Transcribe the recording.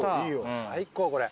最高これ。